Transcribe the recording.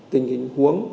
tình hình huống